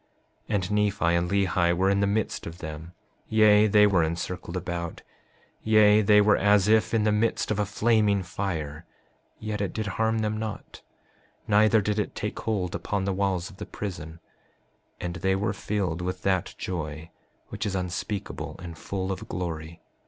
5:44 And Nephi and Lehi were in the midst of them; yea, they were encircled about; yea, they were as if in the midst of a flaming fire, yet it did harm them not, neither did it take hold upon the walls of the prison; and they were filled with that joy which is unspeakable and full of glory.